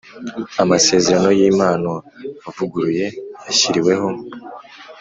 Amasezerano y impano avuguruye yashyiriweho